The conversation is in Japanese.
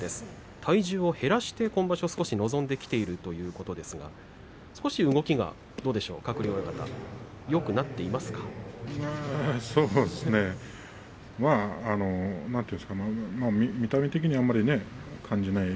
体重を減らして今場所に臨んできているということですが動きはどうでしょうかよくなっていますか、鶴竜親方。